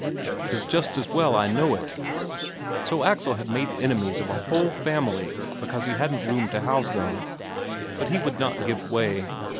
'Tis just as well I know it!" So Axel had made enemies of a whole family because he hadn't room to house them. But he would not give way.